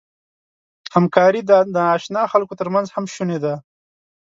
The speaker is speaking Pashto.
همکاري د ناآشنا خلکو تر منځ هم شونې ده.